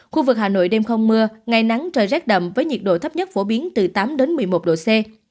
khu vực hà nội đêm không mưa ngày nắng trời rét đậm với nhiệt độ thấp nhất phổ biến từ tám đến một mươi một độ c